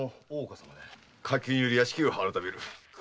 火急により屋敷をあらためる。